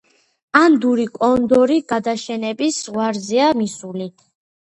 ანდური კონდორი გადაშენების ზღვარზეა მისული.